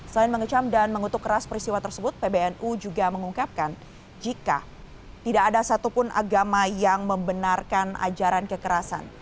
selain mengecam dan mengutuk keras peristiwa tersebut pbnu juga mengungkapkan jika tidak ada satupun agama yang membenarkan ajaran kekerasan